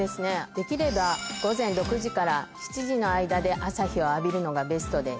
できれば午前６時から７時の間で朝日を浴びるのがベストです。